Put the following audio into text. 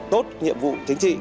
tốt nhiệm vụ chính trị